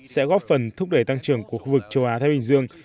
sẽ góp phần thúc đẩy tăng trưởng của khu vực châu á thái bình dương